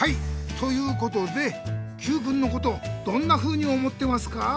ということでＱくんのことどんなふうに思ってますか？